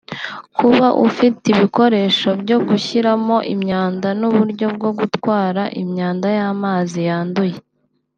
kuba ufite ibikoresho byo gushyiramo imyanda n’ uburyo bwo gutwara imyanda y’ amazi yanduye